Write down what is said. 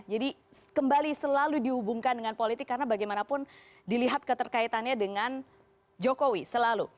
jadi kembali selalu diubungkan dengan politik karena bagaimanapun dilihat keterkaitannya dengan jokowi selalu